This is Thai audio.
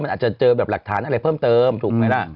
มันอาจจะเจอแบบหลักฐานอะไรเพิ่มเติมถูกไหมล่ะ